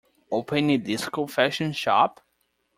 Open a disco fashion shop?